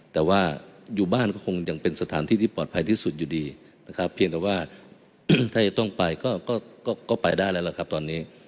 แต่ว่าอยู่บ้านก็คงยังเป็นสถานที่ที่ปลอดภัยที่สุดอยู่ดีนะครับเพียงแต่ว่าถ้าจะต้องไปก็ไปได้แล้วล่ะครับตอนนี้